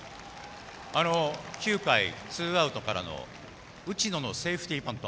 ９回、ツーアウトからの打野のセーフティーバント。